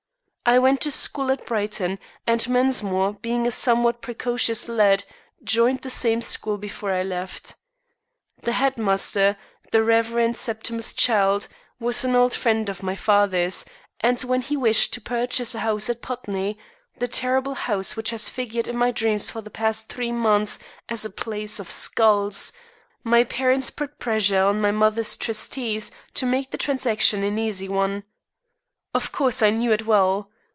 I went to school at Brighton, and Mensmore, being a somewhat precocious lad, joined the same school before I left. The headmaster, the Rev. Septimus Childe, was an old friend of my father's, and when he wished to purchase a house at Putney the terrible house which has figured in my dreams for the past three months as a Place of Skulls my parents put pressure on my mother's trustees to make the transaction an easy one. Of course, I knew it well.